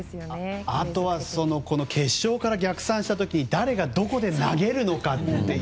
あとは、決勝から逆算した時に誰がどこで投げるのかっていう。